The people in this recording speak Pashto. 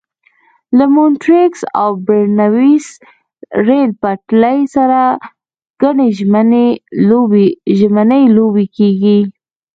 له مونټریکس او برنویس ریل پټلۍ سره ګڼې ژمنۍ لوبې کېږي.